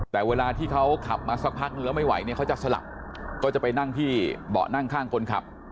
แต่เวลาที่เขาขับมาสักพักนึงแล้วไม่ไหวเนี่ยเขาจะสลับก็จะไปนั่งที่เบาะนั่งข้างคนขับ